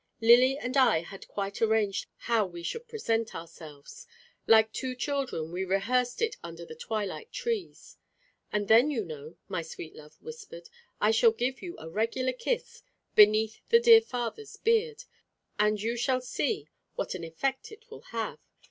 Lily and I had quite arranged how we should present ourselves. Like two children we rehearsed it under the twilight trees. "And then, you know," my sweet love whispered, "I shall give you a regular kiss beneath the dear father's beard, and you will see what an effect it will have.